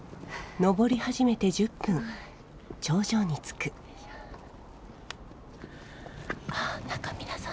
登り始めて１０分頂上に着く何か皆さん